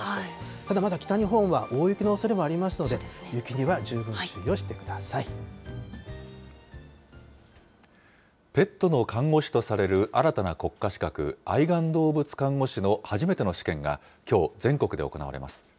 ただまだ北日本は大雪のおそれもありますので、雪には十分注意をペットの看護師とされる新たな国家資格、愛玩動物看護師の初めての試験がきょう、全国で行われます。